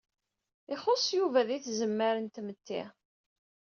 Ixuṣṣ Yuba di tzemmar n tmetti.